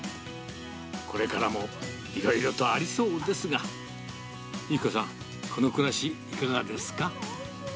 これからもいろいろとありそうですが、由希子さん、この暮らし、いかがですか？